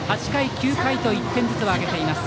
８回、９回と１点ずつを挙げています。